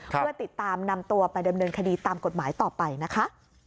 เพื่อติดตามนำตัวไปดำเนินคดีตามกฎหมายต่อไปนะคะ